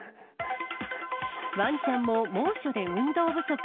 ワンちゃんも猛暑で運動不足。